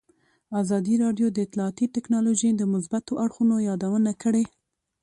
ازادي راډیو د اطلاعاتی تکنالوژي د مثبتو اړخونو یادونه کړې.